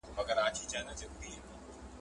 ناپوهه ميرمن په خپلو عيبونو نه پوهيږي.